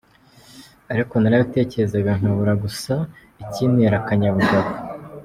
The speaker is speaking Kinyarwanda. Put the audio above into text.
Ariko narabitekerezaga, nkabura gusa ikintera akanyabugabo.